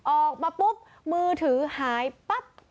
ออกมาปุ๊บมือถือหายปั๊บ